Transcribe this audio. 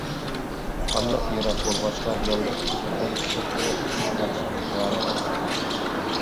ئارىلىق يىراق بولغاچقا، يالغۇز قىزنى بەك چەتتە ئوقۇتۇشقا دادىسىنىڭ رايى بارمىدى.